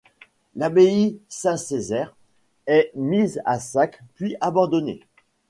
L'abbaye Saint-Césaire est mise à sac puis abandonnée.